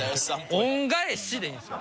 「恩返し」でいいんですよ。